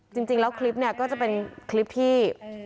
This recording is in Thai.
จริงแล้วคลิปเนี่ยก็จะเป็นคลิปที่